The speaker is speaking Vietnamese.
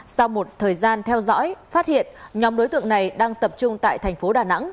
sau một thời gian theo dõi phát hiện nhóm đối tượng này đang tập trung tại tp đà nẵng